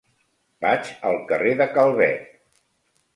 Vaig al carrer de Calvet.